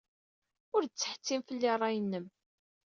Ur d-ttḥettim fell-i ṛṛay-nnem.